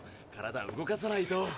体動かさないと。